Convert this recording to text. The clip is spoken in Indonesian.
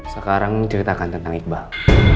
sekarang ceritakan tentang iqbal